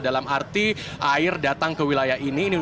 dalam arti air datang ke wilayah ini